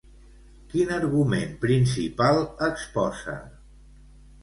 Quin argument principal exposa?